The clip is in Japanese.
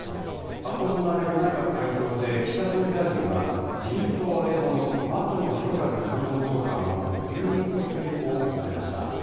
あす行われる内閣改造で岸田総理大臣は自民党安倍派の松野博一官房長官を留任させる意向を固めました。